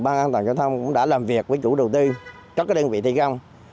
ban an toàn giao thông cũng đã làm việc với chủ đầu tư các đơn vị thi công